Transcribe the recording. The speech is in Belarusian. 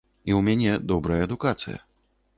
І ў мяне добрая адукацыя.